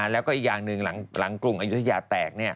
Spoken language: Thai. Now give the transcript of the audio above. แล้วก็อีกอย่างหนึ่งหลังกรุงอายุทยาแตก